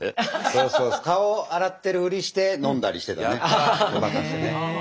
そうそう顔を洗ってるふりして飲んだりしてたねごまかしてね。